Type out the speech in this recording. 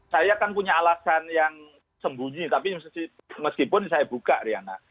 saya kan punya alasan yang sembunyi tapi meskipun saya buka riana